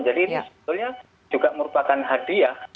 jadi ini sebetulnya juga merupakan hadiah